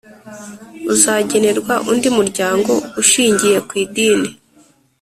Uzagenerwa undi muryango ushingiye ku idini